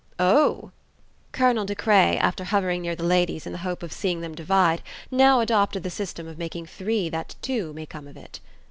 "Oh!" Colonel De Craye, after hovering near the ladies in the hope of seeing them divide, now adopted the system of making three that two may come of it.